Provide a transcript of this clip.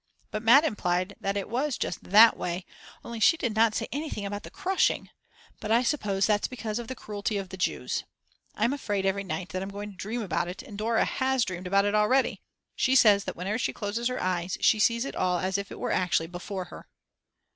But Mad. implied that it was just that way, only she did not say anything about the crushing; but I suppose that's because of the cruelty of the Jews . I'm afraid every night that I'm going to dream about it, and Dora has dreamed about it already. She says that whenever she closes her eyes she sees it all as if it were actually before her.